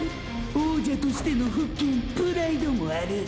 王者としての復権プライドもある！！